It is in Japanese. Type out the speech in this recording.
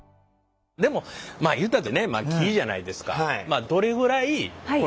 でもまあ言うたってね木じゃないですか。